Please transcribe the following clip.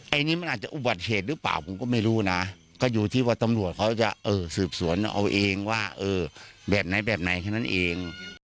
อันนี้มันอาจจะอุบัติเหตุหรือเปล่าผมก็ไม่รู้นะก็อยู่ที่ว่าตำรวจเขาจะสืบสวนเอาเองว่าแบบไหนแบบไหนแค่นั้นเอง